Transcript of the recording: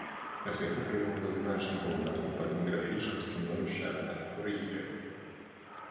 Гэта прывяло да значнага ўдару па дэмаграфічным становішчы армян у рэгіёне.